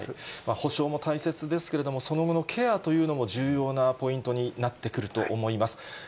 補償も大切ですけれども、その後のケアというのも重要なポイントになってくると思います。